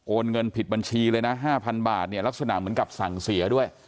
เงินผิดบัญชีเลยนะ๕๐๐บาทเนี่ยลักษณะเหมือนกับสั่งเสียด้วย